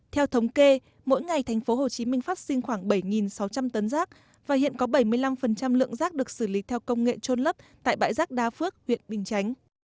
theo thống kê mỗi ngày tp hcm phát sinh khoảng bảy sáu trăm linh tấn rác và hiện có bảy mươi năm lượng rác được xử lý theo công nghệ trôn lấp tại bãi rác đa phước huyện bình chánh